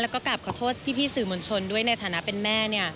แล้วก็กลับขอโทษพี่สื่อมวลชนด้วยในฐานะเป็นแม่